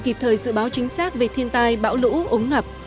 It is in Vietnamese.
kịp thời dự báo chính xác về thiên tai bão lũ ống ngập